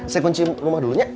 saya kunci rumah dulu nek